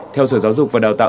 theo sở giáo dục và đào tạo